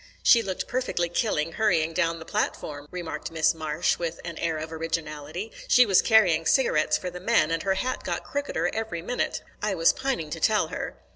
"She looked perfectly killing hurrying down the platform," remarked Miss Marsh, with an air of originality. "She was carrying cigarettes for the men, and her hat got crookeder every minute. I was pining to tell her."